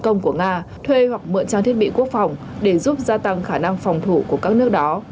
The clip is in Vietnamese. công của nga thuê hoặc mượn trang thiết bị quốc phòng để giúp gia tăng khả năng phòng thủ của các nước đó